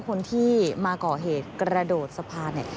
คนที่มาเกาะเหตุกระโดดสะพาน